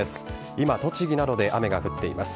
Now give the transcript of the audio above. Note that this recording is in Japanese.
今、栃木などで雨が降っています。